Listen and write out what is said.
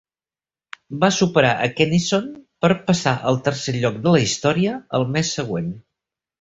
Va superar a Kennison per passar al tercer lloc de la història el mes següent.